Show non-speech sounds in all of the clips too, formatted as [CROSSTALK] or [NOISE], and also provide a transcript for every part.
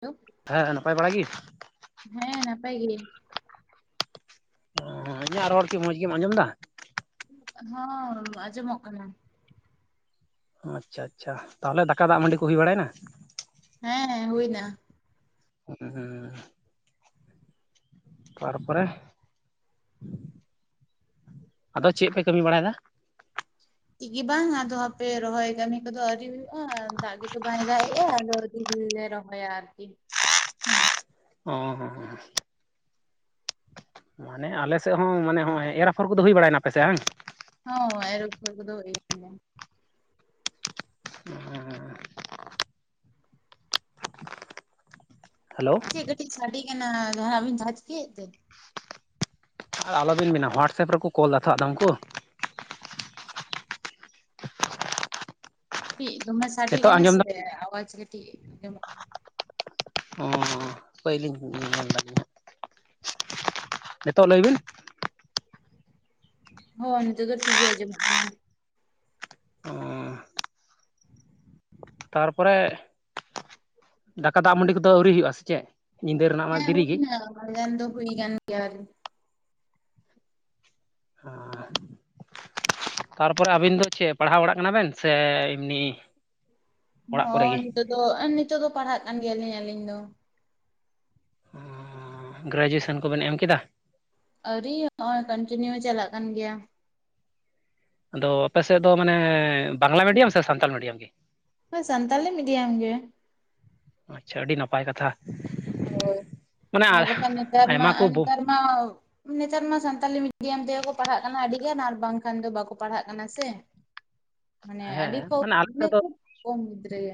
Hello ᱦᱮᱸ ᱱᱟᱯᱟᱭ ᱵᱟᱲᱟ ᱜᱤ ᱱᱟᱯᱟᱹᱭ ᱜᱮ ᱚ ᱤᱧᱟᱹᱜ ᱨᱚᱲ ᱠᱤ ᱢᱚᱸᱡᱽ ᱜᱮᱢ ᱟᱸᱡᱚᱢ ᱫᱟ ᱦᱮᱸ ᱟᱸᱡᱚᱢᱚᱜ ᱠᱟᱱᱟ ᱦᱚᱸ ᱟᱪᱪᱷᱟ ᱟᱪᱪᱷᱟ ᱛᱟᱦᱚᱞᱮ ᱫᱟᱠᱟ ᱫᱟᱜ ᱢᱟᱹᱰᱤ ᱠᱚ ᱦᱩᱭ ᱵᱟᱲᱟᱭ ᱱᱟ ᱦᱮᱸ ᱦᱩᱭ ᱱᱟ ᱦᱩ ᱦᱩᱸ ᱛᱟᱨᱯᱚᱨᱮ ᱟᱫᱚ ᱪᱮᱫ ᱯᱮ ᱠᱟᱹᱢᱤ ᱵᱟᱲᱟᱭ ᱫᱟ ᱪᱤᱜ ᱜᱮ ᱵᱟᱝ ᱟᱫᱚ ᱦᱟᱯᱮ ᱨᱚᱦᱚᱭ ᱠᱟᱹᱢᱤ ᱠᱚᱫᱚ ᱟᱹᱣᱨᱤ ᱦᱩᱭᱩᱜᱼᱟ ᱫᱟᱜ ᱜᱮᱛᱚ ᱵᱟᱭ ᱫᱟᱜ ᱮᱜᱼᱟ ᱟᱫᱚ ᱡᱩᱫᱤ ᱞᱮ ᱨᱚᱦᱚᱭᱟ ᱟᱨᱠᱤ ᱦᱚᱸ ᱦᱚᱸ ᱦᱚᱸ ᱢᱟᱱᱮ ᱟᱞᱮ ᱥᱮᱜ ᱦᱚᱸ ᱢᱟᱱᱮ ᱦᱚᱸᱜᱼᱚᱭ ᱮᱨ ᱟᱯᱷᱚᱨ ᱠᱚᱫᱚ ᱦᱩᱭ ᱵᱟᱲᱟᱭᱱᱟ ᱟᱯᱮᱥᱮ ᱵᱟᱝ ᱦᱚᱸ ᱮᱨ ᱟᱯᱷᱚᱨ ᱠᱚ ᱫᱚ ᱦᱩᱭ ᱮᱱᱟ ᱦᱮᱞᱳ ᱪᱮᱫ ᱠᱟᱹᱴᱤᱡ ᱥᱟᱹᱰᱤ ᱠᱟᱱᱟ ᱡᱟᱦᱟᱸ ᱟᱵᱤᱱ ᱡᱟᱦᱟᱸ ᱪᱤᱠᱟᱹ ᱮᱫ ᱛᱮ ᱟᱨ ᱟᱞᱚᱵᱤᱱ ᱢᱮᱱᱟ ᱦᱳᱣᱟᱴᱥᱟᱯ ᱨᱮᱠᱚ ᱠᱚᱞ ᱫᱟ ᱛᱷᱚ ᱟᱫᱚᱢ ᱠᱚ ᱪᱤᱜ ᱫᱚᱢᱮ ᱥᱟᱺᱰᱤ ᱱᱤᱛᱚᱜ ᱠᱟᱱᱟ ᱟᱸᱡᱚᱢ ᱥᱮ ᱫᱟ ᱨᱮ ᱟᱣᱟᱡ ᱠᱟᱹᱴᱤᱡ ᱟᱸᱡᱚᱢᱚᱜ ᱠᱟᱱᱟ ᱚ ᱯᱟᱹᱭᱞᱤᱧ ᱧᱮᱞ ᱫᱟ ᱞᱤᱧ ᱦᱟᱜ ᱱᱤᱛᱚᱜ ᱞᱟᱹᱭ ᱵᱤᱱ ᱦᱚᱸ ᱱᱤᱛ ᱫᱚ ᱴᱷᱤᱠ ᱜᱮ ᱟᱸᱡᱚᱢᱚᱜ ᱠᱟᱱᱟ ᱚ ᱛᱟᱨᱯᱚᱨᱮ ᱫᱟᱠᱟ ᱫᱟᱜ ᱢᱟᱺᱰᱤ ᱠᱚᱫᱚ ᱟᱹᱣᱨᱤ ᱦᱩᱭᱩᱜ ᱟ ᱥᱮ ᱪᱮᱫ ᱧᱤᱫᱟᱹ ᱨᱮᱱᱟᱜ ᱢᱟ ᱦᱮᱸ ᱫᱮᱨᱤ ᱦᱩᱭ ᱜᱮ ᱮᱱᱟ ᱢᱟᱡᱟᱱ ᱫᱚ ᱦᱩᱭ ᱠᱟᱱ ᱜᱮᱭᱟ ᱟᱨ ᱦᱟᱸ ᱟ ᱛᱟᱨᱯᱚᱨᱮ ᱟᱹᱵᱤᱱ ᱫᱚ ᱪᱮ ᱯᱟᱲᱦᱟᱣ ᱵᱟᱲᱟᱜ ᱠᱟᱱᱟ ᱵᱮᱱ ᱥᱮ ᱮᱢᱱᱤ ᱚᱲᱟᱜ ᱠᱚᱨᱮ ᱦᱚᱸ ᱜᱮ ᱱᱤᱛᱚᱜ ᱫᱚ ᱱᱤᱛᱚᱜ ᱫᱚ ᱯᱟᱲᱦᱟᱜ ᱠᱟᱱ ᱜᱮᱭᱟᱞᱤᱧ ᱟᱹᱞᱤᱧ ᱫᱚ ᱜᱨᱮᱡᱩᱭᱮᱥᱚᱱ ᱠᱚᱵᱮᱱ ᱮᱢ ᱠᱮᱫᱟ ᱟᱹᱣᱨᱤ ᱱᱚᱸᱜᱼᱚᱭ ᱠᱚᱱᱴᱤᱱᱤᱭᱩ ᱪᱟᱞᱟᱜ ᱠᱟᱱ ᱜᱮᱭᱟ ᱟᱫᱚ ᱟᱯᱮ ᱥᱮᱫ ᱫᱚ ᱢᱟᱱᱮ ᱵᱟᱝᱞᱟ ᱢᱤᱰᱤᱭᱟᱢ ᱥᱮ ᱥᱟᱱᱛᱟᱞ ᱢᱤᱰᱤᱭᱟᱢ ᱜᱮ? ᱦᱳ ᱥᱟᱱᱛᱟᱞᱤ ᱢᱤᱰᱤᱭᱟᱢ ᱜᱮ ᱟᱪᱪᱷᱟ ᱟᱹᱰᱤ ᱱᱟᱯᱟᱭ ᱠᱟᱛᱷᱟ ᱦᱳᱭ ᱢᱟᱱᱮ ᱟᱨ ᱵᱟᱠᱷᱟᱡ ᱱᱮᱛᱟᱨ ᱢᱟ ᱟᱭᱢᱟ ᱟᱨ ᱠᱚ ᱵᱚ ᱱᱮᱛᱟᱨ ᱢᱟ ᱱᱮᱛᱟᱨ ᱢᱟ ᱥᱟᱱᱛᱟᱞᱤ ᱢᱤᱰᱤᱭᱟᱢ ᱛᱮᱜᱮ ᱠᱚ ᱯᱟᱲᱦᱟᱜ ᱠᱟᱱᱟ ᱟᱹᱰᱤ ᱜᱟᱱ ᱟᱨ ᱵᱟᱝᱠᱷᱟᱱ ᱫᱚ ᱵᱟᱠᱚ ᱯᱟᱲᱦᱟᱜ ᱠᱟᱱᱟ ᱥᱮ [INAUDIBLE] ᱢᱟᱱᱮ ᱟᱹᱰᱤ ᱦᱮᱸ ᱠᱚᱢ ᱢᱟᱱᱮ ᱟᱞᱮᱥᱮᱫ ᱫᱚ ᱠᱷᱩᱵ ᱠᱚᱢ ᱜᱤᱫᱽᱨᱟᱹ ᱜᱮ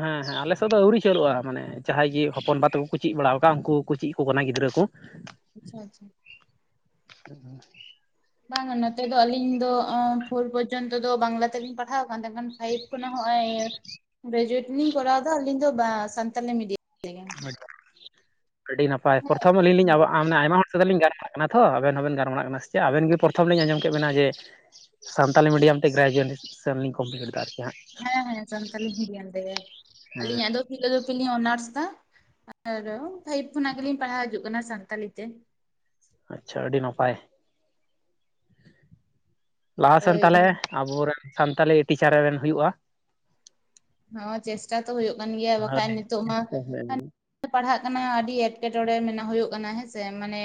ᱦᱮᱸ ᱦᱮᱸ ᱟᱞᱮᱥᱮᱫ ᱫᱚ ᱟᱹᱣᱨᱤ ᱩᱪᱟᱹᱨᱚᱜᱼᱟ ᱢᱟᱱᱮ ᱡᱟᱦᱟᱸᱭ ᱜᱤ ᱦᱚᱯᱚᱱ ᱵᱟ ᱛᱟᱠᱚ ᱠᱩ ᱪᱤᱜ ᱵᱟᱲᱟᱣ ᱠᱟᱜ ᱩᱱᱠᱩ ᱠᱩ ᱪᱤᱜ ᱟᱠᱩ ᱠᱟᱱᱟ ᱜᱤᱫᱽᱨᱟᱹ ᱠᱩ ᱟᱪᱷᱟ ᱟᱪᱷᱟ ᱦᱚᱸ ᱦᱟ ᱵᱟᱝ ᱱᱚᱛᱮ ᱫᱚ ᱟᱹᱞᱤᱧ ᱫᱚ ᱯᱷᱳᱨ ᱯᱚᱨᱡᱚᱱᱛᱚ ᱫᱚ ᱵᱟᱝᱞᱟ ᱛᱮᱞᱤᱧ ᱯᱟᱲᱦᱟᱣ ᱟᱠᱟᱱ ᱛᱟᱦᱮᱸ ᱠᱷᱟᱱ ᱯᱷᱟᱭᱤᱵᱽ ᱚᱱᱟ ᱦᱚᱸ ᱮ ᱜᱨᱮᱡᱩᱭᱮᱴ ᱞᱤᱧ ᱠᱚᱨᱟᱣᱫᱟ ᱟᱹᱞᱤᱧ ᱫᱚ ᱵᱟ ᱥᱟᱱᱛᱟᱞᱤ ᱢᱤᱰᱤᱭᱟᱢ ᱛᱮᱜᱮ ᱟᱹᱰᱤ ᱱᱟᱯᱟᱭ ᱦᱮᱸ ᱯᱨᱚᱛᱷᱚᱢ ᱟᱹᱞᱤᱧ ᱞᱤᱧ ᱨᱚᱼᱟᱼᱟᱢᱼᱢᱟᱱᱮ ᱟᱭᱢᱟ ᱦᱚᱲ ᱥᱚᱛᱮ ᱞᱤᱧ ᱜᱟᱨ ᱠᱟᱱᱟ ᱛᱷᱚ ᱟᱵᱮᱱ ᱦᱚᱸ ᱵᱮᱱ ᱜᱟᱨᱢᱟᱨᱟᱜ ᱠᱟᱱᱟ ᱥᱮ ᱪᱮᱜ ᱟᱵᱮᱱᱜᱮ ᱯᱨᱚᱛᱷᱚᱢ ᱞᱤᱧ ᱟᱸᱡᱚᱢ ᱠᱮᱫ ᱵᱮᱱᱟ ᱡᱮ ᱥᱟᱱᱛᱟᱞᱤ ᱢᱤᱰᱤᱭᱟᱢ ᱛᱮ ᱜᱨᱮᱡ ᱡᱮᱱᱤᱥ ᱥᱮᱱᱞᱤᱧ ᱠᱚᱢᱯᱞᱤᱴ ᱫᱟ ᱦᱮᱸ ᱦᱮᱸ ᱥᱟᱱᱛᱟᱞᱤ ᱢᱤᱰᱤᱭᱟᱱ ᱛᱮᱜᱮ ᱦᱮᱸ ᱟᱹᱞᱤᱧᱟᱜ ᱫᱚ ᱯᱷᱤᱞᱳᱡᱚᱯᱷᱤ ᱚᱱᱟᱨᱥ ᱮᱫᱟ ᱟᱨ ᱯᱷᱟᱭᱤᱵᱽ ᱠᱷᱚᱱᱟᱜ ᱜᱮᱞᱤᱧ ᱯᱟᱲᱦᱟᱣ ᱦᱤᱡᱩᱜ ᱠᱟᱱᱟ ᱥᱟᱱᱛᱟᱞᱤ ᱛᱮ ᱟᱪᱷᱟ ᱟᱹᱰᱤ ᱱᱟᱯᱟᱭ ᱞᱟᱦᱟᱥᱮᱱ ᱳᱭ ᱛᱟᱦᱚᱞᱮ ᱟᱵᱚᱨᱮᱱ ᱥᱟᱱᱛᱟᱞᱤ ᱴᱤᱪᱟᱨ ᱮᱢ ᱦᱩᱭᱩᱜᱼᱟ ᱦᱮᱸ ᱪᱮᱥᱴᱟ ᱦᱩᱭᱩᱜ ᱠᱟᱱ ᱜᱮᱭᱟ ᱦᱳᱭ ᱵᱟᱠᱟᱱ ᱱᱤᱛᱚᱜ ᱢᱟ ᱦᱳᱭ ᱯᱟᱲᱦᱟᱜ ᱠᱟᱱᱟ ᱟᱹᱰᱤ ᱮᱸᱴᱠᱮᱴᱚᱲᱮ ᱢᱮᱱᱟᱜᱼᱟ ᱦᱩᱭᱩᱜ ᱠᱟᱱᱟ ᱦᱮᱸᱥᱮ ᱢᱟᱱᱮ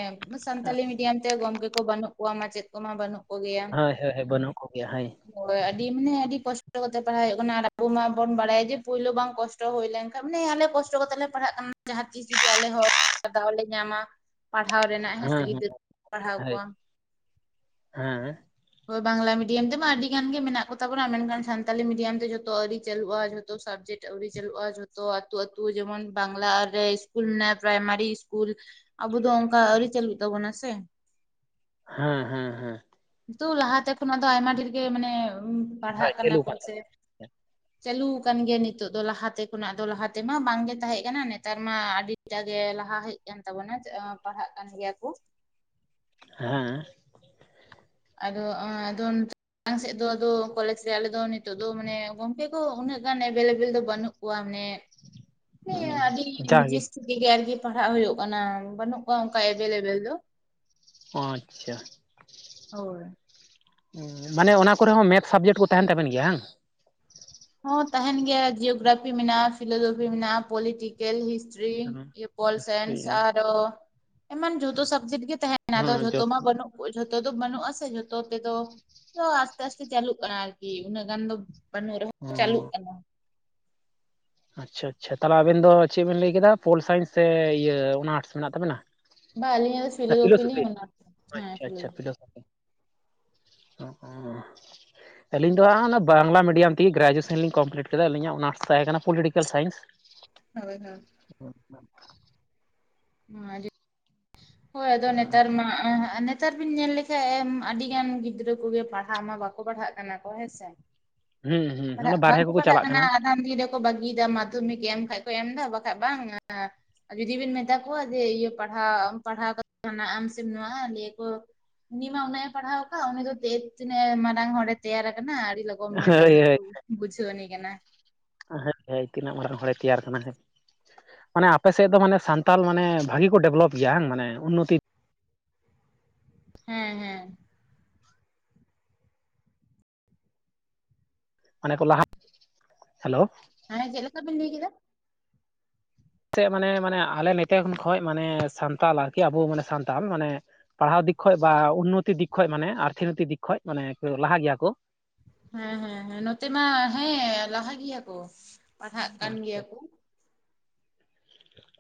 ᱥᱟᱱᱛᱟᱞᱤ ᱢᱤᱰᱤᱭᱟᱢ ᱛᱮ ᱜᱚᱢᱠᱮ ᱠᱚ ᱵᱟᱹᱱᱩᱜ ᱠᱚᱣᱟ ᱢᱟᱪᱮᱫ ᱠᱚ ᱢᱟ ᱵᱟᱹᱱᱩᱜ ᱠᱚ ᱠᱚ ᱦᱳᱭ ᱦᱳᱭ ᱦᱳᱭ ᱵᱟᱹᱱᱩᱜ ᱠᱚᱜᱮᱭᱟ ᱦᱳᱭ ᱦᱳ ᱟᱹᱰᱤ ᱢᱟᱱᱮ ᱟᱹᱰᱤ ᱠᱚᱥᱴᱚ ᱠᱟᱛᱮ ᱯᱟᱲᱦᱟᱣ ᱦᱩᱭᱩᱜ ᱠᱟᱱᱟ ᱟᱵᱚ ᱢᱟ ᱵᱚᱱ ᱵᱟᱲᱟᱭᱟ ᱡᱮ ᱯᱳᱭᱞᱳ ᱵᱟᱝ ᱠᱚᱥᱴᱚ ᱦᱩᱭ ᱞᱮᱱᱠᱷᱟᱱᱡ ᱢᱟᱱᱮ ᱟᱞᱮ ᱠᱚᱥᱴᱚ ᱠᱟᱛᱮᱫ ᱞᱮ ᱯᱟᱲᱦᱟᱜ ᱠᱟᱱᱟ ᱡᱟᱦᱟᱸ ᱛᱤᱥ ᱡᱩᱫᱤ ᱟᱞᱮ ᱦᱚᱸ ᱫᱟᱣ ᱞᱮ ᱧᱟᱢᱟ ᱯᱟᱲᱦᱟᱣ ᱨᱮᱱᱟᱜ ᱦᱮᱸ ᱥᱮ ᱜᱤᱫᱽᱟᱹᱨᱟᱹ ᱯᱟᱲᱦᱟᱣ ᱦᱳᱭ ᱠᱚᱣᱟ ᱦᱮᱸ ᱦᱳᱭ ᱵᱟᱝᱞᱟ ᱢᱤᱰᱤᱭᱟᱢ ᱛᱮᱢᱟ ᱟᱹᱰᱤ ᱜᱟᱱ ᱜᱮ ᱢᱮᱱᱟᱜ ᱠᱚᱛᱟᱵᱚᱱᱟ ᱢᱮᱱᱠᱷᱟᱱ ᱥᱟᱱᱛᱟᱞᱤ ᱢᱤᱰᱤᱭᱟᱢ ᱛᱮ ᱡᱚᱛᱚ ᱟᱹᱣᱨᱤ ᱪᱟᱹᱞᱩᱜᱼᱟ ᱡᱷᱚᱛᱚ ᱥᱟᱵᱡᱮᱠᱴ ᱮ ᱟᱹᱣᱨᱤ ᱪᱟᱹᱞᱩᱜᱼᱟ ᱡᱷᱚᱛᱚ ᱟᱹᱛᱩ ᱟᱹᱛᱩ ᱡᱮᱢᱚᱱ ᱵᱟᱝᱞᱟ ᱨᱮ ᱤᱥᱠᱩᱞ ᱢᱮᱱᱟᱜᱼᱟ ᱯᱟᱨᱟᱭᱢᱟᱨᱤ ᱤᱥᱠᱩᱞ ᱟᱵᱚ ᱫᱚ ᱚᱱᱠᱟ ᱟᱹᱣᱨᱤ ᱪᱟᱹᱞᱩᱜ ᱛᱟᱵᱚᱱᱟ ᱥᱮ ᱦᱮᱸ ᱦᱮᱸ ᱦᱮᱸ ᱠᱤᱱᱛᱩ ᱞᱟᱦᱟᱛᱮ ᱠᱷᱚᱱᱟᱜ ᱫᱚ ᱟᱭᱢᱟ ᱰᱷᱮᱨ ᱜᱮ ᱢᱟᱱᱮ ᱯᱟᱲᱦᱟᱜ ᱦᱳᱭ ᱠᱟᱱᱟ ᱪᱟᱹᱞᱩ ᱠᱚ ᱠᱟᱱ ᱥᱮ ᱛᱟᱹᱞᱤᱧᱟ ᱪᱟᱹᱞᱩ ᱟᱠᱟᱱ ᱜᱮᱭᱟ ᱱᱤᱛᱚᱜᱜ ᱫᱚ ᱞᱟᱦᱟᱛᱮ ᱠᱷᱚᱱᱟᱜ ᱫᱚ ᱞᱟᱦᱟᱛᱮᱢᱟ ᱵᱟᱝᱜᱮ ᱛᱟᱦᱮᱸ ᱠᱟᱱᱟ ᱱᱮᱛᱟᱨ ᱢᱟ ᱟᱹᱰᱤᱴᱟᱜ ᱜᱮ ᱞᱟᱦᱟ ᱦᱮᱡ ᱠᱟᱱ ᱛᱟᱵᱚᱱᱟ ᱯᱟᱲᱦᱟᱜ ᱠᱟᱱ ᱜᱮᱭᱟ ᱠᱚ ᱦᱮᱸ ᱟᱫᱚ ᱮᱧ ᱟᱫᱚ ᱢᱟᱲᱟᱝ ᱥᱮᱫ ᱫᱚ ᱟᱫᱚ ᱠᱚᱞᱮᱡᱽ ᱨᱮ ᱟᱞᱮ ᱫᱚ ᱱᱤᱛᱚᱜ ᱫᱚ ᱢᱟᱱᱮ ᱜᱚᱝᱠᱮ ᱠᱚ ᱩᱱᱟᱹᱜ ᱜᱟᱱ ᱮᱵᱮᱞᱮᱵᱮᱞ ᱫᱚ ᱵᱟᱹᱱᱩᱜ ᱠᱚᱣᱟ ᱢᱟᱱᱮ ᱟᱹᱰᱤ ᱱᱤᱡ ᱡᱟᱜᱮ ᱜᱮ ᱟᱨᱠᱤ ᱯᱟᱲᱦᱟᱜ ᱦᱩᱭᱩᱜ ᱠᱟᱱᱟ ᱵᱟᱹᱱᱩᱜ ᱠᱚᱣᱟ ᱚᱱᱠᱟ ᱮᱵᱮᱞᱮᱵᱮᱞ ᱫᱚ ᱟᱪᱷᱟ ᱦᱳᱭ ᱢᱟᱱᱮ ᱚᱱᱟ ᱠᱚᱨᱮ ᱦᱚᱸ ᱢᱮᱛᱷᱥ ᱥᱟᱵᱡᱮᱠᱴ ᱠᱚ ᱛᱟᱦᱮᱱ ᱛᱟᱵᱮᱱ ᱜᱮᱭᱟ ᱵᱟᱝ? ᱦᱚᱸ ᱛᱟᱦᱮᱱ ᱜᱮᱭᱟ ᱡᱤᱭᱳᱜᱨᱟᱯᱷᱤ ᱢᱮᱱᱟᱜᱼᱟ ᱯᱷᱤᱞᱳᱡᱚᱯᱷᱤ ᱢᱮᱱᱟᱜᱼᱟ ᱯᱚᱞᱤᱴᱤᱠᱮᱞ ᱦᱤᱥᱴᱨᱤ ᱦᱤᱥᱴᱨᱤ ᱦᱮᱸ ᱟᱨᱚ ᱮᱢᱟᱱ ᱡᱚᱛᱚ ᱥᱟᱵᱡᱮᱠᱴ ᱜᱮ ᱫᱚ ᱡᱚᱛ ᱢᱟ ᱵᱟᱹᱱᱩᱜ ᱡᱚᱛᱚ ᱫᱚ ᱵᱟᱹᱱᱩᱜ ᱟᱥᱮ ᱡᱚᱛᱚ ᱛᱮᱫᱚ ᱛᱚ ᱟᱥᱛᱮ ᱟᱥᱛᱮ ᱪᱟᱹᱞᱩᱜ ᱠᱟᱱᱟ ᱟᱨᱠᱤ ᱩᱱᱟᱹᱜ ᱜᱟᱱ ᱫᱚ ᱵᱟᱱᱩᱜ ᱪᱟᱹᱞᱩᱜ ᱠᱟᱱᱟ ᱟᱪᱷᱟ ᱟᱪᱷᱟ ᱛᱟᱦᱞᱮ ᱟᱵᱮᱱ ᱫᱚ ᱪᱮᱫ ᱵᱮᱱ ᱞᱟᱹᱭ ᱠᱮᱫᱟ ᱯᱳᱞ ᱥᱟᱭᱮᱱᱥ ᱥᱮ ᱤᱭᱟᱹ ᱚᱱᱟᱴᱥ ᱢᱮᱱᱟᱜ ᱛᱟᱵᱮᱱᱟ? ᱵᱟ ᱟᱹᱞᱤᱧᱟᱜ ᱫᱚ ᱞᱤᱧ ᱯᱷᱤᱞᱳᱡᱚᱯᱷᱤ ᱚᱱᱟᱨᱥ ᱦᱮᱸ ᱟᱪᱷᱟ ᱟᱪᱷᱟ ᱯᱷᱤᱞᱳᱡᱚᱯᱷᱤ [UNINTELLIGIBLE] ᱟᱹᱞᱤᱧ ᱫᱚ ᱚᱱᱟ ᱵᱟᱝᱞᱟ ᱢᱤᱰᱤᱭᱟᱢ ᱛᱮᱜᱮ ᱜᱨᱮᱡᱩᱭᱮᱥᱚᱱᱤᱧ ᱠᱚᱢᱯᱞᱤᱴ ᱠᱮᱫᱟ ᱟᱹᱞᱤᱧᱟᱜ ᱚᱱᱟᱨᱥ ᱛᱟᱦᱮᱸ ᱠᱟᱱᱟ ᱯᱚᱞᱤᱴᱤᱠᱮᱞ ᱥᱟᱭᱮᱱᱥ ᱦ ᱦ [UNINTELLIGIBLE] ᱦ ᱡ [UNINTELLIGIBLE] ᱦᱳᱭ ᱟᱫᱚ ᱱᱮᱛᱟᱨᱢᱟ ᱱᱮᱛᱟᱨ ᱵᱤᱱ ᱧᱮᱞ ᱞᱮᱠᱟᱱᱡ ᱟᱹᱰᱤ ᱜᱟᱱ ᱜᱤᱫᱽᱨᱟᱹ ᱠᱚᱜᱮ ᱯᱟᱲᱦᱟᱜ ᱢᱟ ᱵᱟᱠᱚ ᱯᱟᱲᱦᱟᱜ ᱠᱟᱱᱟ ᱠᱚ ᱦᱮᱸᱥᱮ ᱦᱩᱸ ᱦᱩᱸ ᱚᱱᱟ ᱯᱟᱲᱦᱟᱜ ᱵᱟᱨᱦᱮ ᱵᱟᱝᱠᱚ ᱠᱚᱠᱚ ᱯᱟᱲᱦᱟᱜ ᱪᱟᱞᱟᱜ ᱠᱟᱱᱟ ᱟᱫᱷᱟᱱ ᱫᱤᱱ ᱨᱮᱠᱚ ᱵᱟᱹᱜᱤᱭᱮᱫᱟ ᱢᱟᱫᱽᱫᱷᱚᱢᱤᱠ ᱮᱢ ᱠᱷᱟᱱ ᱮᱢᱫᱟ ᱵᱟᱠᱷᱟ ᱵᱟᱝ ᱡᱩᱫᱤ ᱵᱮᱱ ᱢᱮᱛᱟ ᱠᱚᱣᱟ ᱡᱮ ᱤᱭᱟᱹ ᱯᱟᱲᱦᱟᱣ ᱯᱟᱲᱦᱟᱣ ᱠᱟᱛᱮᱱᱟᱜ ᱥᱤᱢ ᱞ ᱠᱚ [UNINTELLIGIBLE] ᱩᱱᱤ ᱢᱟ ᱚᱱᱟᱮ ᱯᱟᱲᱦᱟᱣ ᱟᱠᱟᱫ ᱩᱱᱤ ᱫᱚ ᱫ ᱛᱤᱱᱟᱹᱜ ᱢᱟᱨᱟᱝ ᱦᱚᱲᱮ ᱛᱮᱭᱟᱨ ᱟᱠᱟᱱᱟ ᱞᱚᱜ ᱢ ᱛ ᱦᱳᱭ ᱫᱚ ᱜᱩᱡᱚ ᱱ ᱠ [UNINTELLIGIBLE] ᱦᱮᱸ ᱦᱮᱸ ᱛᱤᱱᱟᱹᱜ ᱢᱟᱨᱟᱝ ᱦᱚᱲᱮ ᱛᱮᱭᱟᱨ ᱠᱟᱱᱟ ᱦᱮᱸ ᱢᱟᱱᱮ ᱟᱯᱮ ᱥᱮᱫ ᱫᱚ ᱢᱟᱱᱮ ᱥᱟᱱᱛᱟᱞ ᱢᱟᱱᱮ ᱵᱷᱟᱹᱜᱤ ᱠᱚ ᱰᱮᱵᱷᱞᱚᱯ ᱜᱮᱭᱟ ᱵᱟᱝ ᱢᱟᱱᱮ ᱩᱱᱱᱚᱛᱤ ᱦᱮᱸ ᱦᱮᱸ ᱢᱟᱱᱮ ᱠᱚ ᱦᱮᱞᱳ ᱦᱮᱸ ᱪᱤᱞᱠᱟ ᱵᱤᱱ ᱞᱟᱹᱭ ᱠᱮᱫᱟ ᱪᱮᱫ ᱢᱟᱱᱮ ᱢᱟᱱᱮ ᱟᱞᱮ ᱱᱤᱛᱚᱝ ᱠᱷᱚᱱ ᱢᱟᱱᱮ ᱥᱟᱱᱛᱟᱞ ᱟᱨᱠᱤ ᱟᱵᱚ ᱢᱟᱱᱮ ᱥᱟᱱᱛᱟᱲ ᱢᱟᱱᱮ ᱯᱟᱲᱦᱟᱣ ᱠᱷᱚᱡ ᱵᱟ ᱩᱱᱱᱚᱛᱤ ᱫᱤᱠ ᱠᱷᱚᱡ ᱢᱟᱱᱮ ᱟᱨᱛᱷᱤᱠᱱᱚᱭᱛᱤᱠ ᱫᱤᱠ ᱠᱷᱚᱡ ᱢᱟᱱᱮ ᱞᱟᱦᱟ ᱜᱮᱭᱟ ᱠᱚ ᱦᱮᱸ ᱦᱮᱸ ᱚ ᱯᱟᱲᱦᱟᱜ ᱠᱟᱱ ᱟᱪᱪᱷᱟ ᱜᱮᱭᱟ ᱠᱚ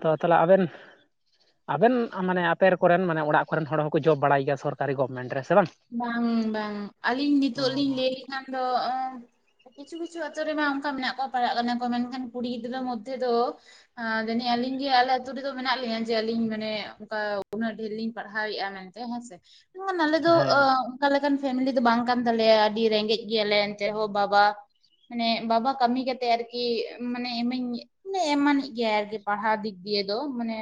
ᱛᱚ ᱛᱟᱦᱞᱮ ᱟᱵᱮᱱ ᱼᱼ ᱟᱵᱮᱱ ᱢᱟᱱᱮ ᱟᱯᱮ ᱠᱚᱨᱮᱱ ᱢᱟᱱᱮ ᱚᱲᱟᱜ ᱠᱚᱨᱮᱱ ᱦᱚᱲ ᱦᱚᱸᱠᱚ ᱡᱚᱵ ᱵᱟᱲᱟᱭ ᱜᱮᱭᱟ ᱥᱚᱨᱠᱟᱨᱤ ᱜᱚᱵᱷᱢᱮᱱᱴ ᱨᱮ ᱵᱟᱝ ᱵᱟᱝ ᱟᱹᱞᱤᱧ ᱚ ᱱᱤᱛᱳᱜ ᱞᱤᱧ ᱞᱟᱹᱭ ᱞᱮᱠᱷᱟᱱ ᱫᱚ ᱠᱤᱪᱷᱩ ᱠᱤᱪᱷᱩ ᱟᱛᱳ ᱨᱮᱢᱟ ᱚᱱᱠᱟ ᱢᱮᱱᱟᱜ ᱠᱚᱣᱟ ᱯᱟᱲᱟᱜ ᱠᱟᱱᱟ ᱠᱚ ᱢᱮᱱᱠᱷᱟᱱ ᱠᱩᱲᱤ ᱜᱤᱫᱽᱨᱟᱹ ᱢᱚᱫᱽᱫᱷᱮ ᱫᱚ ᱡᱟᱹᱱᱤᱡ ᱟᱹᱞᱤᱧ ᱜᱮ ᱟᱞᱮ ᱟᱹᱛᱩ ᱨᱮᱫᱚ ᱢᱮᱱᱟᱜ ᱞᱤᱧᱟᱹ ᱡᱮ ᱟᱞᱤᱧ ᱢᱟᱱᱮ ᱚᱱᱠᱟ ᱩᱱᱟᱹᱜ ᱰᱷᱮᱨ ᱞᱤᱧ ᱯᱟᱲᱦᱟᱣᱮᱫᱼᱟ ᱢᱮᱱᱛᱮ ᱦᱮᱸᱥᱮ [UNINTELLIGIBLE] ᱟᱞᱮ ᱫᱚ ᱦᱳᱭ ᱟᱸ ᱚᱱᱠᱟ ᱞᱮᱠᱟᱱ ᱯᱷᱮᱢᱮᱞᱤ ᱫᱚ ᱵᱟᱝ ᱠᱟᱱ ᱛᱟᱞᱮᱭᱟ ᱟᱹᱰᱤ ᱨᱮᱸᱜᱮᱡ ᱜᱮᱭᱟᱞᱮ ᱮᱱᱛᱮ ᱨᱮ ᱦᱳ ᱵᱟᱵᱟ ᱼᱼ ᱢᱟᱱᱮ ᱵᱟᱵᱟ ᱠᱟᱹᱢᱤ ᱠᱟᱛᱮᱜ ᱟᱨᱠᱤ ᱢᱟᱱᱮ ᱮᱢᱟᱹᱧ ᱢᱟᱱᱮ [UNINTELLIGIBLE] ᱮᱢᱟᱱᱤᱡ ᱜᱮᱭᱟᱭ ᱟᱨᱠᱤ ᱯᱟᱲᱦᱟᱣ ᱫᱤᱠ ᱫᱤᱭᱮᱼᱼ ᱫᱚ ᱢᱟᱱᱮ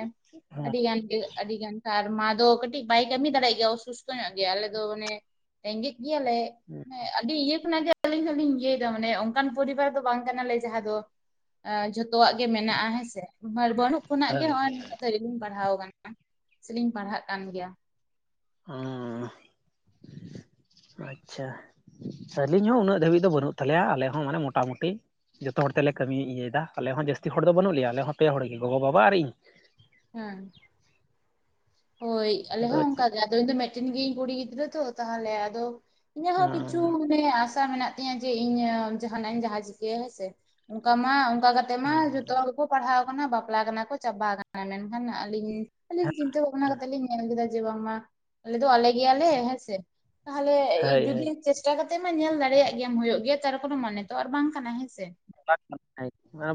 ᱟᱹᱰᱤ ᱜᱟᱱ ᱜᱮ ᱟᱹᱰᱤ ᱜᱟᱱ ᱢᱟ [UNINTELLIGIBLE] ᱟᱫᱚ ᱠᱟᱹᱴᱤᱡ ᱵᱟᱭ ᱠᱟᱹᱢᱤ ᱫᱟᱲᱮᱭᱟᱜ ᱜᱮᱭᱟ ᱚᱥᱩᱥᱛᱷᱚ ᱧᱚᱜ ᱜᱮᱭᱟ ᱟᱞᱮ ᱫᱚ ᱚᱱᱮ ᱨᱮᱸᱜᱮᱡ ᱼᱼ ᱜᱮᱭᱟᱞᱮ ᱦᱳᱭ ᱟᱹᱰᱤ [UNINTELLIGIBLE] ᱤᱭᱟᱹ ᱚᱱᱟ ᱜᱮ ᱟᱹᱞᱤᱧ ᱦᱚᱞᱤᱧ ᱤᱭᱟᱹᱭᱫᱟ ᱢᱟᱱᱮ ᱚᱱᱠᱟᱱ ᱯᱚᱨᱤᱵᱟᱨ ᱫᱚ ᱵᱟᱝ ᱠᱟᱱᱟᱞᱮ ᱡᱟᱦᱟᱸ ᱫᱚ ᱼᱼ ᱡᱷᱚᱛᱚᱣᱟᱜ ᱜᱮ ᱢᱮᱱᱟᱜᱼᱟ ᱦᱮᱸᱥᱮ ᱵᱟᱹᱱᱩᱜ ᱠᱷᱚᱱᱟᱜ ᱜᱮ ᱦᱳᱭ ᱱᱚᱜ ᱚᱭ ᱦᱳᱭ ᱱᱩᱱᱟᱹᱜ ᱫᱷᱟᱹᱨᱤᱡ ᱞᱤᱧ ᱯᱟᱲᱦᱟᱣ ᱟᱠᱟᱱᱟ ᱥᱮᱞᱤᱧ ᱯᱟᱲᱦᱟᱜ ᱠᱟᱱ ᱜᱮᱭᱟ ᱦᱚᱸ ᱟᱪᱪᱷᱟ ᱥᱟᱞᱤᱧ ᱦᱚᱸ ᱩᱱᱟᱹᱜ ᱫᱷᱟᱹᱵᱤᱡ ᱫᱚ ᱵᱟᱹᱱᱩᱜ ᱛᱟᱞᱮᱭᱟ ᱟᱞᱮ ᱦᱚᱸ ᱢᱟᱱᱮ ᱢᱚᱴᱟᱢᱩᱴᱤ ᱡᱚᱛᱚ ᱦᱚᱲ ᱛᱮᱞᱮ ᱠᱟᱹᱢᱤ ᱤᱭᱟᱹᱭᱮᱫᱟ ᱟᱞᱮ ᱦᱚᱸ ᱡᱟᱹᱥᱛᱤ ᱦᱚᱲ ᱫᱚ ᱵᱟᱹᱱᱩᱜ ᱞᱮᱭᱟ ᱟᱞᱮ ᱦᱚᱸ ᱯᱮ ᱦᱚᱲᱜᱮ ᱜᱚᱜᱚᱼᱵᱟᱵᱟ ᱟᱨ ᱤᱧ ᱦᱮᱸ ᱦᱳᱭ ᱟᱞᱮ ᱟᱫᱚ ᱦᱚᱸ ᱪᱮᱫ ᱚᱱᱠᱟᱜᱮ ᱟᱫᱚ ᱤᱧ ᱫᱚ ᱢᱤᱫᱴᱮᱱ ᱜᱤᱭᱟᱹᱤᱧ ᱠᱩᱲᱤ ᱜᱤᱫᱽᱨᱟᱹ ᱛᱚ ᱛᱟᱦᱚᱞᱮ ᱟᱫᱚ ᱼᱼ ᱤᱱᱟᱹ ᱦᱚᱸ ᱠᱤᱪᱷᱩ ᱢᱟᱱᱮ ᱼᱼ ᱢᱮᱱᱟᱜ ᱛᱤᱧᱟᱹ ᱡᱮ ᱤᱧ ᱡᱟᱦᱟᱱᱟᱜ ᱤᱧ ᱡᱟᱦᱟᱸ ᱪᱤᱠᱟᱹᱭᱟ ᱦᱮᱸ ᱥᱮ ᱚᱱᱠᱟ ᱢᱟ ᱚᱱᱠᱟ ᱠᱟᱛᱮ ᱢᱟ ᱡᱚᱛᱚ ᱦᱚᱲ ᱜᱮᱠᱚ ᱯᱟᱲᱦᱟᱣ ᱟᱠᱟᱱᱟ ᱵᱟᱯᱞᱟ ᱠᱟᱱᱟ ᱠᱚ ᱪᱟᱵᱟ ᱟᱠᱟᱱᱟ ᱢᱮᱱᱠᱷᱟᱱ ᱟᱹᱞᱤᱧ ᱟᱹᱞᱤᱧ ᱪᱤᱱ [UNINTELLIGIBLE] ᱠᱟᱛᱮᱫ ᱞᱤᱧ ᱧᱮᱞ ᱞᱮᱫᱟ ᱡᱮ ᱵᱟᱝᱢᱟ ᱟᱞᱮ ᱫᱚ ᱟᱞᱮ ᱜᱮᱭᱟᱞᱮ ᱦᱮᱸᱥᱮ ᱛᱟᱦᱚᱞᱮ ᱦᱳᱭ ᱡᱩᱫᱤ ᱦᱳᱭ ᱪᱮᱥᱴᱟ ᱠᱟᱛᱮᱜ ᱢᱟ ᱧᱮᱞ ᱫᱟᱲᱮᱭᱟᱜ ᱜᱮᱭᱟᱢ ᱦᱩᱭᱩᱜ ᱜᱮᱭᱟ ᱛᱟᱨ ᱠᱳᱱᱳ ᱢᱟᱱᱮ ᱛᱚ ᱟᱨ ᱵᱟᱝ ᱠᱟᱱᱟ ᱦᱮᱸ ᱥᱮ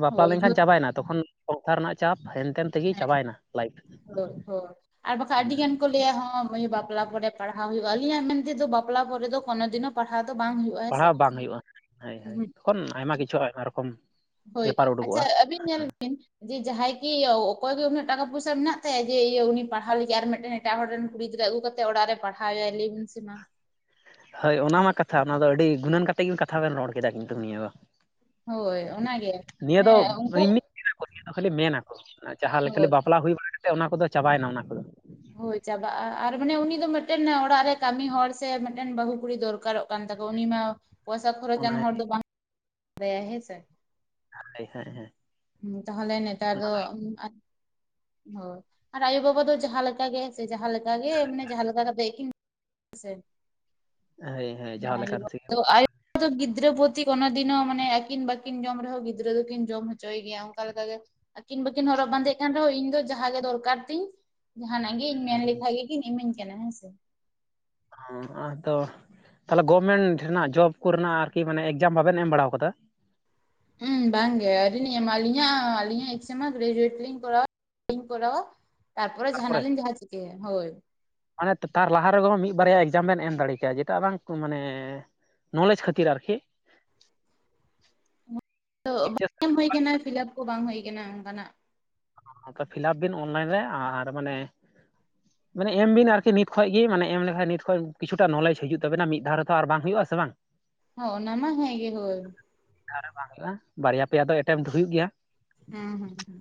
ᱵᱟᱯᱞᱟ ᱞᱮᱱᱠᱷᱟᱱ ᱪᱟᱵᱟᱭᱮᱱᱟ ᱛᱚᱠᱷᱚᱱ ᱥᱚᱝᱥᱟᱨ ᱨᱮᱱᱟᱜ ᱪᱟᱯ ᱦᱮᱱᱛᱮᱱ ᱛᱮᱜᱮ ᱪᱟᱵᱟᱭᱮᱱᱟ [UNINTELLIGIBLE] ᱦᱳᱭ ᱦᱳᱭ ᱟᱨ ᱵᱟᱠᱷᱟᱱ ᱟᱹᱰᱤ ᱜᱟᱱ ᱠᱚ ᱞᱟᱹᱭᱟ ᱦᱚᱸ ᱢᱟᱹᱭᱩ [UNINTELLIGIBLE] ᱵᱟᱯᱞᱟ ᱯᱚᱨᱮ ᱯᱟᱲᱦᱟᱣ ᱦᱩᱭᱩᱜᱼᱟ ᱛᱚ ᱟᱹᱞᱤᱧᱟᱜ ᱢᱮᱱᱛᱮᱮᱫ ᱵᱟᱯᱞᱟ ᱯᱚᱨᱮ ᱫᱚ ᱠᱚᱱᱳ ᱫᱤᱱ ᱦᱚ ᱯᱟᱲᱦᱟᱣ ᱫᱚ ᱵᱟᱝ ᱦᱩᱭᱩᱜᱼᱟ ᱦᱮᱸ ᱥᱮ ᱯᱟᱲᱦᱟᱣ ᱵᱟᱝ ᱦᱩᱭᱩᱜᱼᱟ ᱦᱳ ᱦᱳ ᱩᱸᱦᱩᱜ ᱛᱚᱠᱷᱚᱱ ᱟᱭᱢᱟ ᱠᱤᱪᱷᱩ ᱟᱭᱢᱟ ᱨᱚᱠᱚᱢ ᱦᱳᱭ ᱵᱮᱯᱟᱨ ᱟᱪᱪᱷᱟ ᱩᱰᱩᱠᱚᱜᱼᱟ ᱟᱹᱵᱤᱱ ᱧᱮᱞ ᱵᱤᱱ ᱡᱮ ᱡᱟᱦᱟᱸᱭ ᱠᱤ ᱚᱠᱚᱭ ᱜᱮ ᱩᱱᱟᱹᱜ ᱴᱟᱠᱟ ᱯᱩᱭᱥᱟᱹ ᱢᱮᱱᱟᱜ ᱛᱟᱭᱟ ᱡᱮ ᱤᱭᱟᱹ ᱩᱱᱤ ᱯᱟᱲᱦᱟᱣ ᱞᱟᱹᱜᱤᱫ ᱟᱨ ᱢᱤᱫᱴᱮᱱ ᱮᱴᱟᱜ ᱦᱚᱲ ᱨᱮᱱ ᱠᱩᱲᱤ ᱜᱤᱫᱽᱨᱟᱹ ᱟᱹᱜᱩ ᱠᱟᱛᱮ ᱚᱲᱟᱜ ᱨᱮ ᱯᱟᱲᱦᱟᱣ ᱮᱭᱟᱭ ᱞᱟᱹᱭ ᱢᱮᱥᱮ ᱢᱟ [INAUDIBLE] ᱦᱳᱭ ᱚᱱᱟ ᱢᱟ ᱠᱟᱛᱷᱟ ᱚᱱᱟ ᱫᱚ ᱟᱹᱰᱤ ᱜᱩᱱᱟᱹᱱ ᱠᱟᱛᱮ ᱜᱤ ᱠᱟᱛᱷᱟ ᱵᱮᱱ ᱨᱚᱲ ᱠᱮᱫᱟ ᱠᱤᱱᱛᱩ ᱱᱤᱭᱟᱹ ᱫᱚ ᱼᱼ ᱦᱳᱭ ᱚᱱᱟᱜᱮ ᱦᱮᱸ ᱩᱱᱠᱩ ᱮᱢᱱᱤ ᱠᱷᱟᱹᱞᱤ ᱢᱮᱱᱟᱠᱚ ᱡᱟᱦᱟᱸ ᱠᱷᱟᱹᱞᱤ ᱦᱳᱭ ᱵᱟᱯᱞᱟ ᱦᱩᱭ ᱵᱟᱲᱟ ᱠᱟᱛᱮ ᱚᱱᱟ ᱠᱚᱫᱚ ᱪᱟᱵᱟᱭᱮᱱᱟ ᱚᱱᱟ ᱠᱚᱫᱚ᱾ ᱦᱳᱭ ᱪᱟᱵᱟᱜ-ᱟ ᱟᱨ ᱢᱟᱱᱮ ᱩᱱᱤ ᱫᱚ ᱢᱤᱫᱴᱮᱱ ᱚᱲᱟᱜ ᱨᱮ ᱠᱟᱹᱢᱤ ᱦᱚᱲ ᱥᱮ ᱢᱤᱫᱴᱮᱱ ᱵᱟᱹᱦᱩ ᱠᱩᱲᱤ ᱫᱚᱨᱠᱟᱨᱚᱜ ᱠᱟᱱ [UNINTELLIGIBLE] ᱩᱱᱤ ᱢᱟ ᱯᱚᱭᱥᱟ ᱠᱷᱚᱨᱚᱪᱟᱱ ᱚᱱᱟ ᱦᱚᱲ ᱫᱚ ᱵᱟᱝ [UNINTELLIGIBLE] ᱦᱮᱸᱥᱮ [UNINTELLIGIBLE] ᱛᱟᱦᱞᱮ ᱱᱮᱛᱟᱨ ᱫᱚ ᱦᱳᱭ ᱟᱨ ᱟᱭᱳ ᱵᱟᱵᱟ ᱫᱚ ᱡᱟᱦᱟᱸ ᱞᱮᱠᱟ ᱜᱮ ᱥᱮ ᱡᱟᱦᱟᱸ ᱞᱮᱠᱟ ᱜᱮ ᱢᱟᱱᱮ ᱡᱟᱦᱟᱸ ᱞᱮᱠᱟ ᱠᱟᱛᱮᱫ ᱜᱮ ᱠᱤᱱ ᱦᱳᱭ ᱦᱳᱭ ᱡᱟᱦᱟᱸ ᱟᱭᱳ ᱞᱮᱠᱟᱱ ᱥᱤᱜᱤᱱ ᱵᱟᱵᱟ ᱫᱚ ᱜᱤᱫᱽᱨᱟᱹ [UNINTELLIGIBLE] ᱠᱚᱱᱚ ᱫᱤᱱᱳ ᱢᱟᱱᱮ ᱟᱹᱠᱤᱱ ᱵᱟᱹᱠᱤᱱ ᱡᱚᱢ ᱨᱮᱦᱚᱸ ᱜᱤᱫᱽᱨᱟᱹ ᱫᱚᱠᱤᱱ ᱡᱚᱢ ᱪᱚᱭ ᱜᱮᱭᱟ ᱚᱱᱠᱟ ᱞᱮᱠᱟ ᱜᱮ ᱟᱹᱠᱤᱱ ᱵᱟᱹᱠᱤᱱ ᱦᱚᱨᱚᱜ ᱵᱟᱸᱫᱮᱜ ᱠᱟᱱ ᱨᱮᱦᱚᱸ ᱤᱧ ᱫᱚ ᱡᱟᱦᱟᱸ ᱜᱮ ᱫᱚᱨᱠᱟᱨ ᱛᱤᱧ ᱼᱼ ᱡᱟᱦᱟᱱᱟᱜ ᱜᱮ ᱤᱧ ᱢᱮᱱ ᱞᱮᱠᱷᱟᱡ ᱜᱮᱠᱤᱧ ᱤᱢᱟᱹᱧ ᱠᱟᱱᱟ ᱦᱮᱸᱥᱮ ᱦᱚᱸ [UNINTELLIGIBLE] ᱛᱚ ᱛᱟᱦᱚᱞᱮ ᱜᱚᱵᱷᱢᱮᱱᱴ ᱨᱮᱱᱟᱜ ᱡᱚᱵ ᱠᱚᱨᱮᱱᱟᱜ ᱟᱨᱠᱤ ᱮᱠᱡᱟᱢ ᱵᱟᱵᱮᱱ ᱮᱢ ᱵᱟᱲᱟᱟᱣ ᱠᱟᱫᱟ? ᱦᱩᱸ ᱵᱟᱝ ᱜᱮ ᱟᱹᱣᱨᱤ ᱞᱤᱧ ᱮᱢᱟ ᱟᱞᱤᱧ ᱟᱜ ᱟᱹᱞᱤᱧ ᱟᱜ ᱮᱠᱡᱟᱢ ᱢᱟ [UNINTELLIGIBLE] ᱞᱤᱧ ᱠᱚᱨᱟᱣᱟ ᱤᱧ ᱠᱚᱨᱟᱣᱟ ᱛᱟᱨᱯᱚᱨᱮ ᱡᱟᱦᱟᱱᱟᱜ ᱞᱤᱧ ᱡᱟᱦᱟᱸ ᱪᱤᱠᱟᱹᱭᱟ ᱦᱳᱭ ᱢᱟᱱᱮ ᱛᱟᱨ ᱞᱟᱦᱟ ᱨᱮ ᱢᱤᱫ ᱵᱟᱨᱭᱟ ᱮᱡᱟᱢ ᱵᱮᱱ ᱮᱢ ᱫᱟᱲᱮ ᱠᱮᱭᱟ ᱡᱮᱴᱟᱜ ᱵᱟᱝ ᱢᱟᱱᱮ ᱱᱚᱞᱮᱡ ᱠᱷᱟᱹᱛᱤᱨ ᱟᱨᱠᱤ [INAUDIBLE] ᱛᱚ ᱮᱭᱤᱪ ᱵᱟᱝ ᱮᱢ ᱦᱩᱭ ᱟᱠᱟᱱᱟ ᱯᱷᱤᱞᱟᱯ ᱠᱚ ᱵᱟᱝ ᱦᱩᱭ ᱠᱟᱱᱟ ᱚᱱᱠᱟᱱᱟᱜ ᱯᱷᱤᱞᱟᱯ ᱵᱤᱱ ᱚᱱᱞᱟᱭᱤᱱ ᱨᱮ ᱟᱨ ᱢᱟᱱᱮ ᱢᱟᱱᱮ ᱮᱢ ᱵᱤᱱ ᱟᱨᱠᱤ ᱱᱤᱛ ᱠᱷᱚᱡ ᱜᱮ ᱢᱟᱱᱮ ᱮᱢ ᱞᱮᱠᱷᱟᱱ ᱠᱤᱪᱷᱩᱴᱟ ᱱᱚᱞᱮᱡ ᱦᱤᱡᱩᱜ ᱛᱟᱵᱤᱱᱟ ᱢᱤᱫ ᱫᱷᱟᱣ ᱨᱮᱛᱚ ᱟᱨ ᱵᱟᱝ ᱦᱩᱭᱩᱜ ᱟᱥᱮ ᱵᱟᱝ ᱦᱚᱸ ᱚᱱᱟ ᱢᱟ ᱦᱮᱸ ᱜᱮ ᱦᱳᱭ [INAUDIBLE] ᱵᱟᱝ ᱦᱩᱭᱩᱜᱼᱟ ᱵᱟᱨᱭᱟ ᱯᱮᱭᱟ ᱫᱚ ᱮᱴᱮᱢᱯᱴ ᱦᱩᱭᱩᱜ ᱜᱮᱭᱟ ᱦᱮᱸ ᱦᱮᱸ ᱦᱮᱸ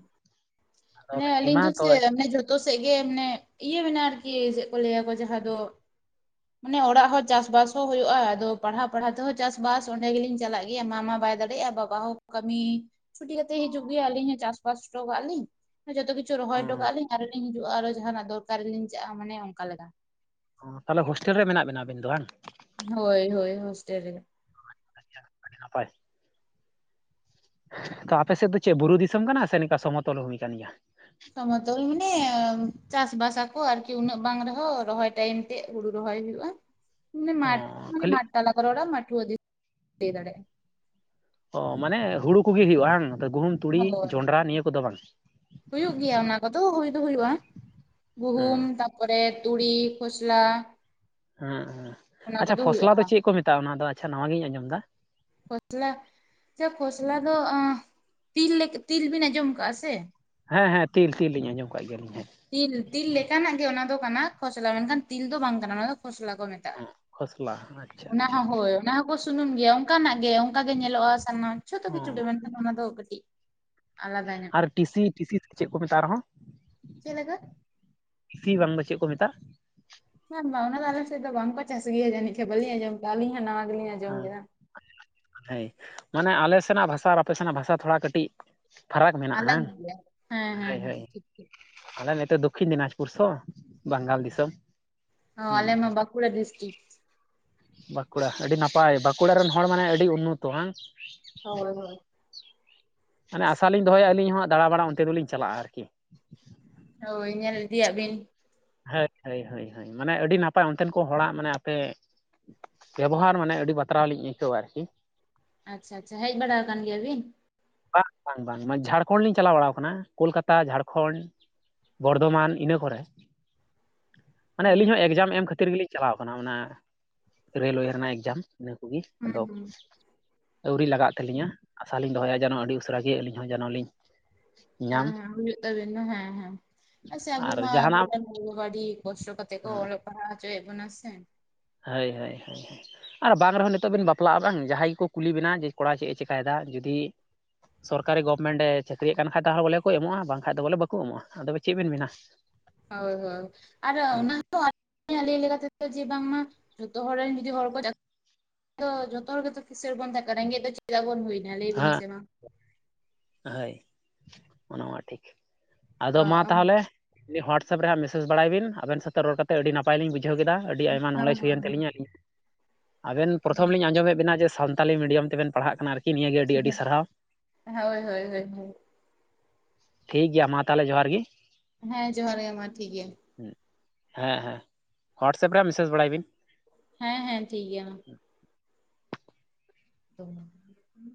ᱟᱫᱚ ᱢᱚᱱᱮ ᱵᱮᱱ ᱟᱞᱤᱧ ᱮᱢᱟ ᱫᱚ ᱛᱚ ᱪᱮ ᱡᱚᱛᱚ ᱥᱮ ᱜᱮ ᱢᱟᱱᱮ ᱤᱭᱟᱹ ᱢᱮᱱᱟ ᱪᱮᱫ ᱠᱚ ᱞᱟᱹᱭᱟᱠᱚ ᱡᱟᱦᱟᱸ ᱫᱚ ᱢᱟᱱᱮ ᱚᱲᱟᱜ ᱦᱚᱸ ᱪᱟᱥᱵᱟᱥ ᱦᱚᱸ ᱦᱩᱭᱩᱜᱼᱟ ᱟᱫᱚ ᱯᱟᱲᱦᱟᱣ ᱯᱟᱲᱦᱟᱣ ᱛᱮᱦᱚᱸ ᱪᱟᱥᱵᱟᱥ ᱚᱸᱰᱮ ᱜᱮᱞᱤᱧ ᱪᱟᱞᱟᱜ ᱜᱮᱭᱟ ᱢᱟ ᱢᱟ ᱵᱟᱭ ᱵᱟᱭ ᱫᱟᱲᱮᱭᱟᱜᱼᱟ ᱵᱟᱵᱟ ᱦᱚᱸ ᱠᱟᱹᱢᱤ ᱪᱷᱩᱴᱤ ᱠᱟᱛᱮ ᱦᱤᱡᱩᱜ ᱜᱮᱭᱟ ᱟᱹᱞᱤᱧ ᱦᱚᱸ ᱪᱟᱥᱵᱟᱥ ᱦᱚᱴᱚ ᱠᱟᱜ ᱞᱤᱧ ᱡᱚᱛᱚ ᱠᱤᱪᱷᱩ ᱨᱚᱦᱚᱭ ᱦᱩᱸ ᱦᱚᱴᱚᱟᱜᱼᱟᱤᱧ ᱟᱨ ᱞᱤᱧ ᱦᱤᱡᱩᱜᱼᱟ ᱟᱨᱚ ᱡᱟᱦᱟᱱᱟᱜ ᱫᱚᱨᱠᱟᱨ ᱨᱮ ᱞᱤᱧ ᱪᱟᱜᱼᱟ ᱢᱟᱱᱮ ᱚᱱᱠᱟᱮ ᱞᱮᱠᱟ᱾ ᱚ ᱛᱟᱦᱚᱞᱮ ᱦᱳᱥᱴᱮᱞ ᱨᱮ ᱢᱮᱱᱟᱜ ᱵᱤᱱᱟ ᱟᱵᱮᱱ ᱫᱚ ᱵᱟᱝ? ᱦᱳᱭ ᱦᱳᱭ ᱦᱳᱥᱴᱮᱞ ᱨᱮᱜᱮ᱾ [INAUDIBLE] ᱱᱟᱯᱟᱭ ᱛᱚ ᱟᱯᱮ ᱥᱮᱫ ᱫᱚ ᱪᱮᱫ ᱵᱩᱨᱩ ᱫᱤᱥᱚᱢ ᱠᱟᱱᱟ ᱥᱮ ᱱᱤᱝᱠᱟ ᱥᱚᱢᱚᱛᱚᱞ ᱵᱷᱩᱢᱤ ᱠᱟᱱ ᱜᱮᱭᱟ᱾ ᱥᱚᱢᱚᱛᱚᱞ ᱢᱟᱱᱮ ᱪᱟᱥ ᱵᱟᱥᱟᱠᱚ ᱟᱨᱠᱤ ᱩᱱᱟᱹᱜ ᱵᱟᱝ ᱨᱮᱦᱚᱸ ᱨᱚᱦᱚᱭ ᱴᱟᱭᱤᱢ ᱛᱮ ᱦᱩᱲᱩ ᱨᱚᱦᱚᱭ ᱚᱭ ᱦᱩᱭᱩᱜᱼᱟ ᱢᱟᱱᱮ ᱢᱟᱴ ᱚ ᱠᱷᱟᱹᱞᱤ ᱢᱟᱴᱷ ᱛᱟᱞᱟ ᱠᱚᱨᱮ ᱨᱚᱲᱼᱟ ᱢᱟᱴᱷᱩᱟ ᱫᱤ ᱞᱟᱹᱭ ᱫᱟᱲᱮᱭᱟᱜᱼᱟ ᱚ ᱢᱟᱱᱮ ᱦᱩᱲᱩ ᱠᱚᱜᱮ ᱦᱩᱭᱩᱜᱼᱟ ᱵᱟᱝ ᱜᱩᱦᱩᱢ ᱛᱩᱲᱤ ᱦᱳᱭ ᱡᱚᱱᱰᱨᱟ ᱱᱤᱭᱟᱹ ᱠᱚᱫᱚ ᱵᱟᱝ? ᱦᱩᱭᱩᱜ ᱜᱮᱭᱟ ᱚᱱᱟ ᱠᱚᱫᱚ ᱦᱩᱭ ᱦᱩᱭᱩᱜᱼᱟ ᱦᱮᱸ ᱜᱩᱦᱩᱢ ᱛᱟᱨᱯᱚᱨᱮ ᱛᱩᱲᱤ ᱠᱷᱚᱥᱞᱟ ᱦᱮᱸ ᱚᱱᱟ ᱟᱪᱷᱟ ᱠᱚᱫᱚ ᱦᱩᱭᱩᱜᱼᱟ ᱯᱷᱚᱥᱞᱟ ᱫᱚ ᱪᱮᱫ ᱠᱚ ᱢᱮᱛᱟᱜᱼᱟ ᱚᱱᱟ ᱫᱚ ᱟᱪᱷᱟ ᱱᱚᱣᱟᱜᱤᱧ ᱟᱸᱡᱚᱢ ᱫᱟ? ᱠᱷᱚᱥᱞᱟ ᱠᱷᱚᱥᱞᱟ ᱫᱚ ᱟᱸ ᱛᱤᱞ ᱞᱮᱠᱟ ᱛᱤᱞ ᱵᱤᱱ ᱟᱸᱡᱚᱢ ᱠᱟᱜᱼᱟ ᱥᱮ? ᱦᱮᱸ ᱦᱮᱸ ᱛᱤᱞ ᱛᱤᱞ ᱞᱤᱧ ᱟᱸᱚᱢ ᱠᱟᱜ ᱜᱮᱭᱟᱞᱤᱧ ᱦᱮᱸ᱾ ᱛᱤᱞ ᱛᱤᱞ ᱞᱮᱠᱟᱱᱟᱜ ᱜᱮ ᱚᱱᱟ ᱫᱚ ᱠᱟᱱᱟ ᱠᱷᱚᱥᱞᱟ ᱢᱮᱱᱠᱷᱟᱱ ᱛᱤᱞ ᱫᱚ ᱵᱟᱝ ᱠᱟᱱᱟ ᱚᱱᱟ ᱫᱚ᱾ ᱠᱷᱚᱥᱞᱟ ᱠᱚ ᱢᱮᱛᱟᱜᱼᱟ ᱠᱷᱚᱥᱞᱟ ᱟᱪᱪᱷᱟ ᱚᱱᱟ ᱟᱪᱪᱷᱟ ᱦᱚᱸ ᱦᱳᱭ ᱚᱱᱟ ᱦᱚᱸᱠᱚ ᱥᱩᱱᱩᱢ ᱜᱮᱭᱟ ᱚᱱᱠᱟᱱᱟᱜ ᱜᱮ ᱚᱱᱠᱟᱜ ᱜᱮ ᱧᱮᱞᱚᱜᱼᱟ ᱥᱟᱱᱟᱢ ᱡᱷᱚᱛᱚ ᱚ ᱠᱤᱪᱷᱩ ᱜᱮ ᱢᱮᱱᱠᱷᱟᱱ ᱚᱱᱟ ᱫᱚ ᱠᱟᱹᱴᱤᱡ ᱟᱞᱟᱫᱟ ᱧᱚᱜ ᱟᱨ ᱴᱤᱥᱤ ᱴᱤᱥᱤ ᱪᱮᱫ ᱠᱚ ᱢᱮᱛᱟᱜ ᱟᱨᱦᱚᱸ? ᱪᱮᱫ ᱞᱮᱠᱟ [UNINTELLIGIBLE] ᱵᱟᱝ ᱫᱚ ᱪᱮᱫ ᱠᱚ ᱢᱮᱛᱟᱜᱼᱟ ᱵᱟᱝ ᱵᱟᱝ ᱚᱱᱟ ᱫᱚ ᱟᱞᱮ ᱥᱮᱫ ᱫᱚ ᱵᱟᱝᱠᱚ ᱪᱟᱥ ᱜᱮᱭᱟ ᱡᱟᱹᱱᱤᱡ ᱠᱷᱟᱡ ᱵᱟᱹᱞᱤᱧ ᱟᱸᱡᱚᱢ ᱟᱹᱞᱤᱧ ᱦᱚᱸ ᱱᱟᱣᱟ ᱜᱮᱞᱤᱧ ᱟᱸᱡᱚᱢ ᱦᱮᱸ ᱠᱮᱫᱟ ᱦᱮᱸ ᱢᱟᱱᱮ ᱟᱞᱮ ᱥᱮᱱᱟᱜ ᱵᱷᱟᱥᱟ ᱟᱯᱮ ᱥᱮᱱᱟᱜ ᱵᱷᱟᱥᱟ ᱛᱷᱚᱲᱟ ᱠᱟᱹᱴᱤᱡ ᱯᱷᱟᱨᱟᱠ ᱢᱮᱱᱟᱜᱼᱟ ᱟᱞᱟᱜᱽ ᱜᱮᱭᱟ ᱦᱮᱸ ᱦᱮ ᱦᱮᱸ ᱦᱳ ᱦᱮ ᱦᱮᱸ ᱴᱷᱤᱠ ᱟᱞᱮ ᱱᱤᱛᱚᱜ ᱫᱚ ᱫᱚᱠᱠᱷᱤᱱ ᱫᱤᱱᱟᱡᱽᱯᱩᱨ ᱥᱚ ᱵᱟᱝᱜᱟᱞ ᱫᱤᱥᱚᱢ ᱦᱚ ᱦᱩᱸ ᱟᱞᱮ ᱢᱟ ᱵᱟᱹᱠᱩᱲᱟ ᱰᱤᱥᱴᱤᱠ ᱵᱟᱸᱠᱩᱲᱟ ᱟᱹᱰᱤ ᱱᱟᱯᱟᱭ ᱵᱟᱸᱠᱩᱲᱟ ᱨᱮᱱ ᱦᱚᱲ ᱢᱟᱱᱮ ᱟᱹᱰᱤ ᱩᱱᱱᱚᱛᱚ ᱵᱟᱝ ᱦᱳᱭ ᱦᱳᱭ ᱢᱟᱱᱮ ᱟᱥᱟᱞᱤᱧ ᱫᱚᱦᱚᱭᱟ ᱟᱹᱞᱤᱧ ᱦᱟᱸᱜ ᱫᱟᱬᱟᱵᱟᱲᱟ ᱚᱱᱛᱮ ᱫᱚᱞᱤᱧ ᱪᱟᱞᱟᱜᱼᱟ ᱟᱨᱠᱤ ᱦᱳᱭ ᱧᱮᱞ ᱤᱫᱟ ᱟᱜ ᱵᱤᱱ ᱦᱳᱭ ᱦᱳᱭ ᱦᱳᱭ ᱢᱟᱱᱮ ᱟᱹᱰᱤ ᱱᱟᱯᱟᱭ ᱚᱱᱛᱮᱱ ᱠᱚ ᱦᱚᱲᱟᱜ ᱢᱟᱱᱮ ᱟᱯᱮ ᱵᱮᱵᱚᱦᱟᱨ ᱢᱟᱱᱮ ᱟᱹᱰᱤ ᱵᱟᱛᱨᱟᱣ ᱞᱤᱧ ᱟᱹᱭᱠᱟᱹᱣᱟ ᱟᱨᱠᱤ ᱟᱪᱪᱷᱟ ᱟᱪᱪᱷᱟ ᱦᱮᱡ ᱵᱟᱲᱟ ᱟᱠᱟᱱ ᱜᱮᱭᱟ ᱵᱤᱱ ᱵᱟᱝ ᱵᱟᱝ ᱵᱟᱝ ᱡᱷᱟᱲᱠᱷᱚᱸᱰ ᱞᱤᱧ ᱪᱟᱞᱟᱣ ᱵᱟᱲᱟᱣ ᱠᱟᱱᱟ ᱠᱳᱞᱠᱟᱛᱟ ᱡᱷᱟᱲᱠᱷᱚᱸᱰ ᱵᱚᱨᱫᱷᱚᱢᱟᱱ ᱤᱱᱟᱹ ᱠᱚᱨᱮ ᱢᱟᱱᱮ ᱦᱩᱸ ᱟᱹᱞᱤᱧ ᱦᱚᱸ ᱮᱠᱡᱟᱢ ᱮᱢ ᱠᱷᱟᱹᱛᱤᱨ ᱜᱮᱞᱤᱧ ᱪᱟᱞᱟᱣ ᱠᱟᱱᱟ ᱚᱱᱟ ᱨᱮᱹᱞᱳᱭᱮ ᱨᱮᱱᱟᱜ ᱮᱠᱡᱟᱢ ᱤᱱᱟᱹ ᱠᱚᱜᱮ ᱟᱫᱚ ᱦᱩᱸ ᱟᱹᱣᱨᱤ ᱞᱟᱜᱟᱜ ᱛᱟᱹᱞᱤᱧᱟ ᱟᱥᱟ ᱞᱤᱧ ᱫᱚᱦᱚᱭᱟ ᱡᱮᱱᱚ ᱟᱹᱰᱤ ᱩᱥᱟᱹᱨᱟ ᱜᱮ ᱟᱹᱞᱤᱧ ᱦᱚᱸ ᱡᱮᱱᱣ ᱞᱤᱧ ᱧᱟᱢ ᱦᱮᱸ ᱦᱮᱸ ᱦᱩᱭᱩᱜ ᱛᱟᱵᱮᱱᱟ ᱦᱮᱸ ᱦᱮᱸ ᱟᱪᱟ ᱟᱵᱚ ᱟᱨ ᱢᱟ ᱡᱟᱦᱟᱱᱟᱜ [INAUDIBLE] ᱠᱚᱥᱴᱚ ᱠᱟᱛᱮ ᱠᱚ ᱦᱮᱸ ᱚᱞᱚᱜ ᱯᱟᱲᱟᱣ ᱦᱚᱪᱚᱭᱮᱫ ᱵᱩᱱᱟ ᱥᱮ ᱦᱳᱭ ᱦᱳᱭ ᱟᱨ ᱵᱟᱝ ᱨᱮᱦᱚᱸ ᱱᱤᱛᱚᱜᱵᱤᱱ ᱵᱟᱯᱞᱟᱜᱼᱟ ᱵᱟᱝ ᱡᱟᱦᱟᱸᱭ ᱜᱮᱠᱚ ᱠᱩᱞᱤ ᱵᱤᱱᱟ ᱡᱮ ᱠᱚᱲᱟ ᱪᱮᱫᱼ ᱮ ᱪᱮᱠᱟᱭᱮᱫᱟ ᱡᱩᱫᱤ [UNINTELLIGIBLE] ᱥᱚᱨᱠᱟᱨᱤ ᱜᱚᱵᱷᱢᱮᱱᱰ ᱮ ᱪᱟᱹᱠᱨᱤᱭᱮᱜ ᱠᱟᱱ ᱠᱷᱟᱡ ᱛᱟᱦᱚ ᱵᱚᱞᱮ ᱠᱚ ᱮᱢᱚᱜᱼᱟ ᱵᱟᱝ ᱠᱷᱟᱡ ᱫᱚ ᱵᱚᱞᱮ ᱵᱟᱠᱚ ᱮᱢᱚᱜᱼᱟ ᱦᱳᱭ ᱦᱳᱭ ᱟᱨ ᱦᱮᱸ ᱚᱱᱟ ᱦᱚᱸ ᱟᱞᱤᱝ ᱞᱮᱠᱟ ᱛᱮᱫᱚ ᱡᱮ ᱵᱟᱝᱢᱟ ᱡᱚᱛᱚ ᱦᱚᱲ ᱨᱮᱱ ᱡᱩᱫᱤ ᱦᱚᱲ ᱠᱚ ᱡᱚᱛᱚ ᱦᱚᱲ ᱜᱮᱚ ᱠᱤᱥᱟᱹᱲ ᱵᱚᱱ ᱛᱟᱦᱮᱸ ᱠᱟᱱᱟ ᱨᱮᱸᱜᱮᱡ ᱫᱚ ᱪᱮᱫᱟᱜ ᱵᱚᱱ ᱦᱩᱭ ᱦᱮᱸ ᱞᱟᱹᱭ ᱵᱤᱱ ᱥᱮ ᱢᱟ ᱦᱳᱭ ᱚᱱᱟ ᱢᱟ ᱴᱷᱤᱠ ᱟᱫᱚ ᱢᱟ ᱛᱟᱦᱚᱞᱮ ᱦᱳᱭ ᱦᱚᱣᱟᱴᱥᱮᱯ ᱨᱮ ᱦᱟᱜ ᱢᱮᱥᱡᱽ ᱵᱟᱲᱟᱭ ᱵᱤᱱ ᱟᱵᱮᱱ ᱥᱟᱶᱛᱮ ᱨᱚᱲ ᱠᱟᱛᱮ ᱟᱹᱰᱤ ᱱᱟᱟᱭ ᱞᱤᱧ ᱵᱩᱡ ᱵᱩᱡᱷᱟᱹᱣ ᱠᱮᱫᱟ ᱟᱹᱰᱤ ᱟᱭᱢᱟ ᱦᱳᱭ ᱱᱚᱞᱮᱡᱽ ᱦᱩᱭᱮᱱ ᱛᱟᱹᱞᱤᱧᱟ ᱟᱹᱞᱤᱧ ᱟᱵᱮᱱ ᱯᱨᱚᱛᱷᱚᱢ ᱞᱤᱧ ᱟᱸᱡᱚᱢᱮᱫ ᱵᱮᱱᱟ ᱡᱮ ᱥᱟᱱᱛᱟᱞᱤ ᱢᱮᱰᱤᱭᱟᱢ ᱛᱮᱵᱮᱱ ᱯᱟᱲᱦᱟᱜ ᱠᱟᱱᱟ ᱟᱨᱠᱤ ᱱᱤᱭᱟᱹᱜᱮ ᱟᱹᱰᱤ ᱟᱹᱰᱤ ᱥᱟᱨᱦᱟᱣ ᱦᱳᱭ ᱦᱳᱭ ᱦᱳᱭ ᱴᱷᱤᱠ ᱜᱮᱭᱟ ᱢᱟ ᱛᱟᱦᱚᱞᱮ ᱡᱚᱦᱟᱨ ᱜᱤ ᱦᱮᱸ ᱡᱚᱦᱟᱨ ᱜᱮ ᱢᱟ ᱴᱷᱤᱠ ᱜᱮᱭᱟ ᱦᱮᱸ ᱦᱮᱸ ᱦᱳᱣᱟᱴᱥᱮᱯ ᱨᱮᱭᱟᱜ ᱢᱮᱥᱡᱽ ᱵᱟᱲᱟᱭ ᱵᱤᱱ ᱦᱮᱸ ᱦᱮᱸ ᱴᱷᱤᱠ ᱜᱮᱭᱟ ᱢᱟ [UNINTELLIGIBLE]